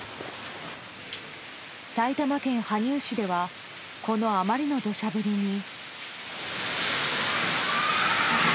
埼玉県羽生市ではこのあまりの土砂降りに。